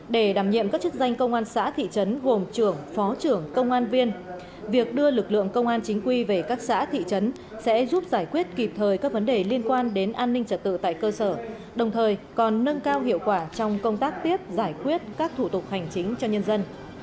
để đảm nhiệm các chức danh công an xã thị trấn gồm trưởng phó trưởng công an viên việc đưa lực lượng công an chính quy về các xã thị trấn sẽ giúp giải quyết kịp thời các vấn đề liên quan đến an ninh trật tự tại cơ sở đồng thời còn nâng cao hiệu quả trong công tác tiếp giải quyết các thủ tục hành chính cho nhân dân